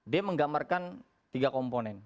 dia menggambarkan tiga komponen